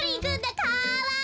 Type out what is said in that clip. かわいい。